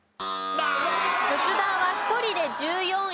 仏壇は１人で１４位